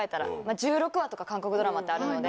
１６話とか韓国ドラマってあるので。